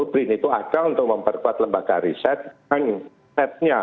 brin itu ada untuk memperkuat lembaga riset dan setnya